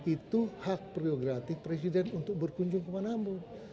itu hak prioritatif presiden untuk berkunjung ke manambu